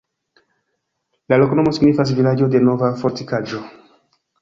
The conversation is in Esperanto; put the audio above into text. La loknomo signifas: vilaĝo de nova fortikaĵo.